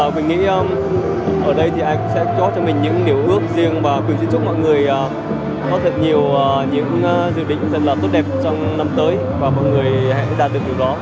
tôi nghĩ ở đây thì ai cũng sẽ cho cho mình những niềm ước riêng và tôi chúc mọi người có thật nhiều những dự định rất là tốt đẹp trong năm tới và mọi người hãy đạt được điều đó